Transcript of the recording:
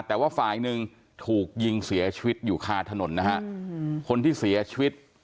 แต่ว่าฝ่ายหนึ่งถูกยิงเสียชีวิตอยู่คาถนนนะฮะคนที่เสียชีวิต